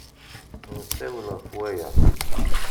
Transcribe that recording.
Nessawel ɣef waya.